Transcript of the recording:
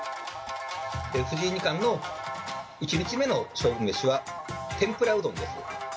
藤井二冠の１日目の勝負メシは、天婦羅うどんです。